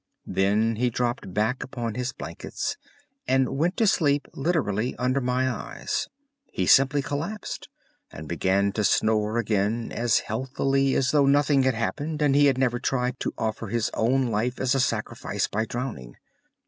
Then he dropped back upon his blankets and went to sleep literally under my eyes. He simply collapsed, and began to snore again as healthily as though nothing had happened and he had never tried to offer his own life as a sacrifice by drowning.